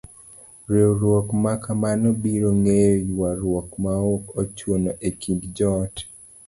Riwruok ma kamano biro geng'o yuaruok maok ochuno e kind joot.